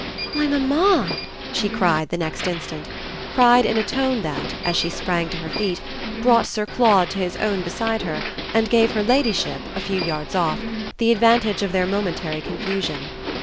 "Why mamma!" she cried the next instant cried in a tone that, as she sprang to her feet, brought Sir Claude to his own beside her and gave her ladyship, a few yards off, the advantage of their momentary confusion.